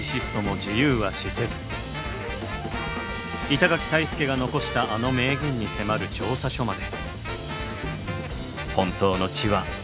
板垣退助が残したあの名言に迫る調査書まで。